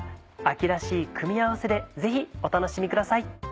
秋らしい組み合わせでぜひお楽しみください。